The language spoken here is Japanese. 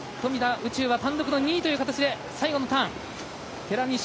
宇宙は単独２位という形で最後のターン。